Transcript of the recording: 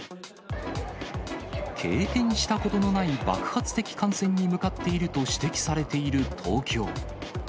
経験したことのない爆発的感染に向かっていると指摘されている東京。